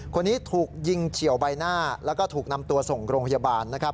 คนนี้ถูกยิงเฉียวใบหน้าแล้วก็ถูกนำตัวส่งโรงพยาบาลนะครับ